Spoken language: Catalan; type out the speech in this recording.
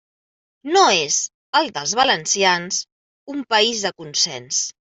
No és, el dels valencians, un país de consens.